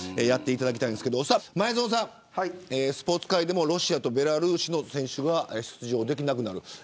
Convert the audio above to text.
やっていただきたいんですけど前園さん、スポーツ界でもロシアとベラルーシの選手は出場できなくなる。